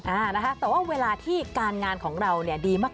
อ่านะคะแต่ว่าเวลาที่การงานของเราเนี่ยดีมาก